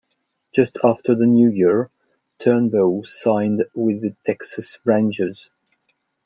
Just after the New Year, Turnbow signed with the Texas Rangers.